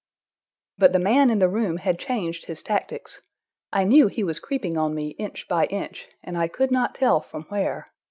But the man in the room had changed his tactics. I knew he was creeping on me, inch by inch, and I could not tell from where.